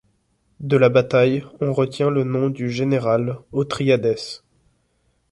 De la bataille, on retient le nom du général Othryadès.